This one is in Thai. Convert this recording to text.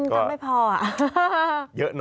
ก็ไม่พออ่ะ